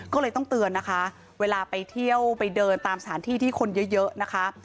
ก็เลยต้องเตือนนะคะเวลาไปเที่ยวไปเดินตามสถานที่ที่คนเยอะนะคะ